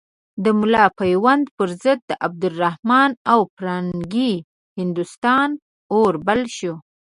د ملا پوونده پر ضد د عبدالرحمن او فرنګي هندوستان اور بل شو.